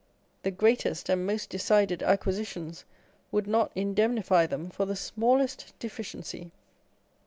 The greatest and most decided acquisitions would not indemnify them for the smallest deficiency.